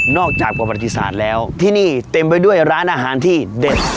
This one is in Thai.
จากประวัติศาสตร์แล้วที่นี่เต็มไปด้วยร้านอาหารที่เด็ด